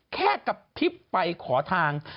แค่กระพริบไปขอทาง